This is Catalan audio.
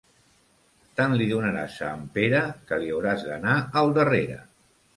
Tant li donaràs a en Pere que li hauràs d'anar al darrere.